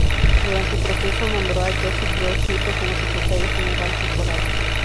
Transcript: Durante el proceso, nombró a Josip Broz Tito como secretario general temporal.